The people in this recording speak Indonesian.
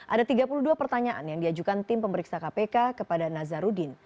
ada tiga puluh dua pertanyaan yang diajukan tim pemeriksa kpk kepada nazarudin